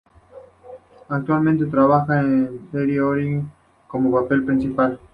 Actualmente trabaja en la serie Origin, como papel principal.